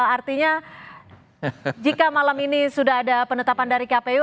artinya jika malam ini sudah ada penetapan dari kpu